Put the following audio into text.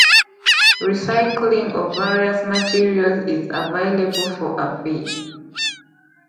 Recycling of various materials is available for a fee.